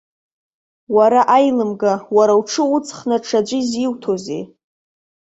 Уара, аилымга, уара уҽы уҵхны ҽаӡәы изиуҭозеи!